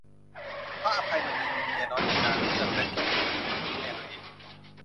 พระอภัยมณี มีเมียน้อยเป็นนางเงือก แล้วยุให้ลูกเกลียดแม่ตัวเอง